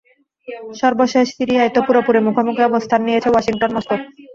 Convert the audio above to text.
সর্বশেষ সিরিয়ায় তো পুরোপুরি মুখোমুখি অবস্থান নিয়েছে ওয়াশিংটন মস্কো।